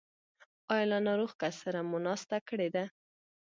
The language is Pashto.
ایا له ناروغ کس سره مو ناسته کړې ده؟